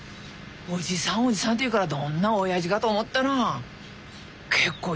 「おじさんおじさん」っていうからどんなおやじかと思ったら結構いい男でないかい？